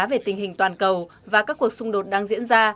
về tình hình toàn cầu và các cuộc xung đột đang diễn ra